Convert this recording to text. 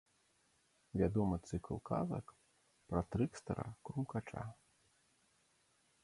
Вядомы цыкл казак пра трыкстэра-крумкача.